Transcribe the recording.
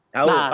tahu paham ya